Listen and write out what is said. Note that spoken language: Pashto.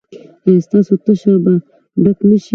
ایا ستاسو تشه به ډکه نه شي؟